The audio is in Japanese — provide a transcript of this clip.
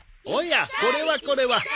おやこれはこれは。